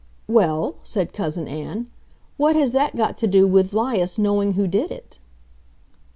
"Well," said Cousin Ann, "what has that got to do with 'Lias knowing who did it?"